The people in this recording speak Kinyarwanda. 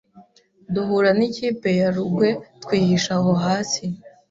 duhura n’ikipe ya Rugwe twihisha aho hasi